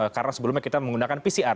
karena sebelumnya kita menggunakan pcr